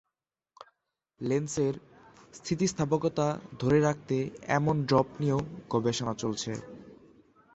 লেন্সের স্থিতিস্থাপকতা ধরে রাখবে এমন ড্রপ নিয়েও গবেষণা চলছে।